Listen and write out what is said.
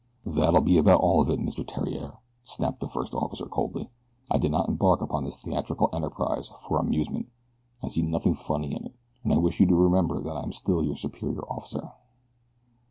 "That'll be about all of that, Mr. Theriere," snapped the first officer, coldly. "I did not embark upon this theatrical enterprise for amusement I see nothing funny in it, and I wish you to remember that I am still your superior officer."